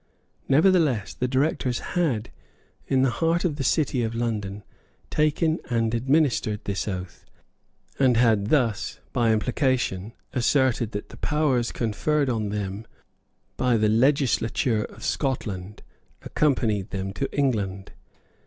Nevertheless the directors had, in the heart of the City of London, taken and administered this oath, and had thus, by implication, asserted that the powers conferred on them by the legislature of Scotland accompanied them to England.